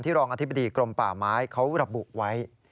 รองอธิบดีกรมป่าไม้เขาระบุไว้